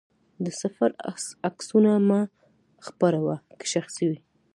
د سفر عکسونه مه خپره وه، که شخصي وي.